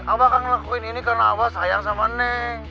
abah kan ngelakuin ini karena abah sayang sama neng